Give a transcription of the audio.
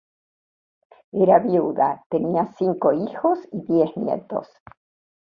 Era viuda, tenía cinco hijos y diez nietos.